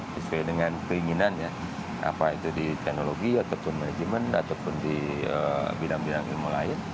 sesuai dengan keinginannya apa itu di teknologi ataupun manajemen ataupun di bidang bidang ilmu lain